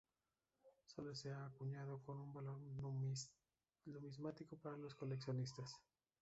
Sólo se han acuñado con un valor numismático para los coleccionistas.